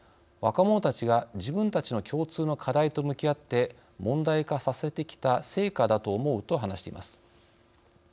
若者たちが自分たちの共通の課題と向き合って問題化させてきた成果だと思う」と話しています。